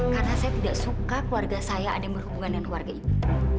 karena saya tidak suka keluarga saya ada yang berhubungan dengan keluarga ibu